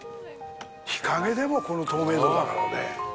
日影でもこの透明度だからね。